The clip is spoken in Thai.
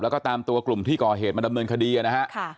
แล้วก็ตามตัวกลุ่มที่ก่อเหตุมาดำเนินคดีนะฮะ